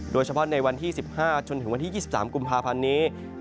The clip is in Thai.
โดยเฉพาะในวันที่๑๕จนถึงวันที่๒๓กุมภาพันธ์นี้